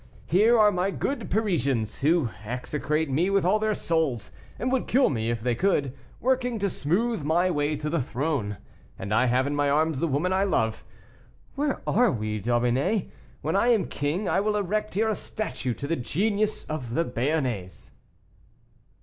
Here are my good Parisians, who execrate me with all their souls, and would kill me if they could, working to smooth my way to the throne, and I have in my arms the woman I love. Where are we, D'Aubigné? when I am king, I will erect here a statue to the genius of the Béarnais."